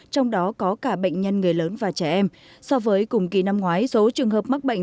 trong đó có cả bệnh nhân người lớn và trẻ em so với cùng kỳ năm ngoái số trường hợp mắc bệnh